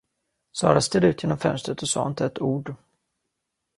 Sara stirrade ut genom fönstret och sade inte ett ord.